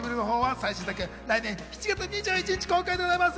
最新作は来年７月２１日公開です。